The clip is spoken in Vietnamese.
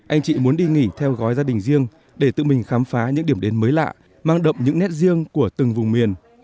anh chị muốn đi nghỉ theo gói gia đình riêng để tự mình khám phá những điểm đến mới lạ mang đậm những nét riêng của từng vùng miền